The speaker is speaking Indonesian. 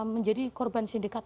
menjadi korban sindikat